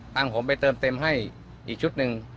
หลังผมไปเติมเต็มให้อีกชุดหนึ่ง